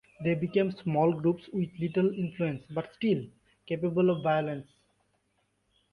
They became small groups with little influence, but still capable of violence.